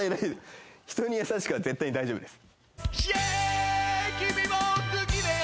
『人にやさしく』は絶対に大丈夫です。